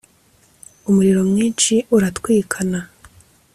umuriro mwishi uratwikana.